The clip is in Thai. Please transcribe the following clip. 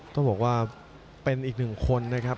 ต้องบอกว่าเป็นอีกหนึ่งคนนะครับ